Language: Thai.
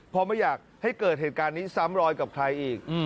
เพราะไม่อยากให้เกิดเหตุการณ์นี้ซ้ำรอยกับใครอีก